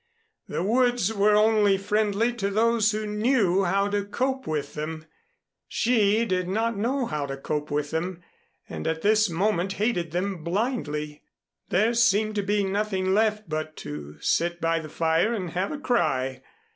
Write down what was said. The woods were only friendly to those who knew how to cope with them. She did not know how to cope with them, and at this moment hated them blindly. There seemed to be nothing left but to sit by the fire and have a cry.